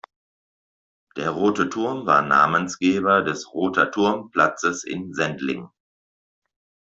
Der Rote Turm war Namensgeber des Roter-Turm-Platzes in Sendling.